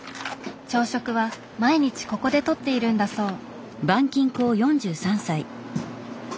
朝食は毎日ここでとっているんだそう。